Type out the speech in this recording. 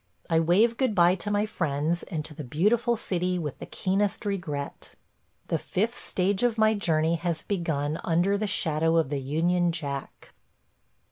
I wave good bye to my friends and to the beautiful city with the keenest regret. ... The fifth stage of my journey has begun under the shadow of the Union Jack.